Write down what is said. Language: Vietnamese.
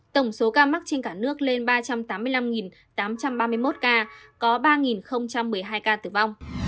tổng số ca mắc trên cả nước lên ba trăm tám mươi năm tám trăm ba mươi một ca có ba một mươi hai ca tử vong